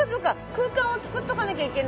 空間を作っとかなきゃいけない。